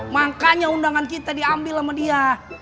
makanya undangan kita diambil sama dia